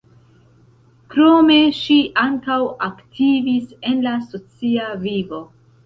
Krome ŝi ankaŭ aktivis en la socia vivo.